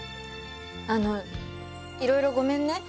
あのいろいろごめんね。